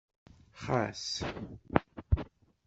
Ɣas.